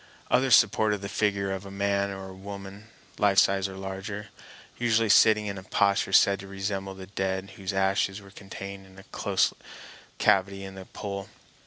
Others supported the figure of a man or woman, life size or larger, usually in a sitting posture, said to resemble the dead whose ashes were contained in a closed cavity in the pole.